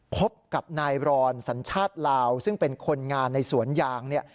พบกับนายรอนสัญชาติลาวซึ่งเป็นคนงานในสวนยางเนี่ย